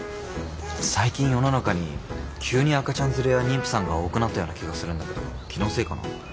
最近世の中に急に赤ちゃん連れや妊婦さんが多くなったような気がするんだけど気のせいかな？